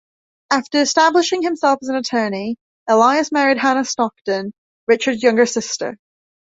After establishing himself as an attorney, Elias married Hannah Stockton, Richard's younger sister.